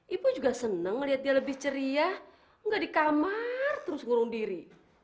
ibu juga senang melihat dia lebih ceria enggak di kamar terus ngurung diri